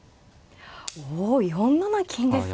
お４七金ですか。